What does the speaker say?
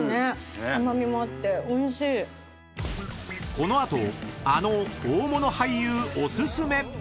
［この後あの大物俳優お薦め！］